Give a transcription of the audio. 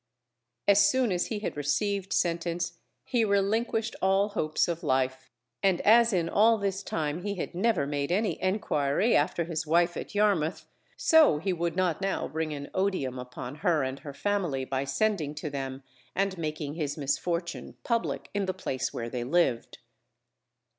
As soon as he had received sentence, he relinquished all hopes of life, and as in all this time he had never made any enquiry after his wife at Yarmouth, so he would not now bring an odium upon her and her family by sending to them, and making his misfortune public in the place where they lived.